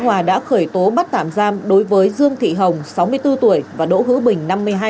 hòa đã khởi tố bắt tạm giam đối với dương thị hồng và đỗ hữu bình